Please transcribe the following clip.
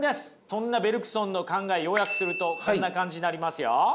そんなベルクソンの考え要約するとこんな感じになりますよ。